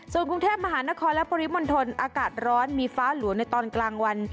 ส่วนกรุงเทพมหานครและปริมณฑลอากาศร้อนมีฟ้าหลวงในตอนกลางวัน